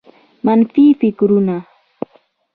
منفي فکرونه